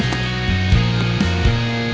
ev menjadi pelompak